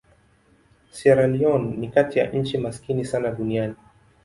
Sierra Leone ni kati ya nchi maskini sana duniani.